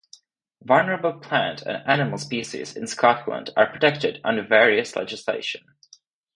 Vulnerable plant and animal species in Scotland are protected under various legislation.